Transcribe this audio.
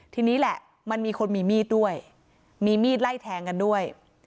ทีนี้แหละมันมีคนมีมีดด้วยมีมีดไล่แทงกันด้วย